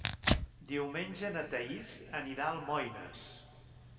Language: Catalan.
Diumenge na Thaís anirà a Almoines.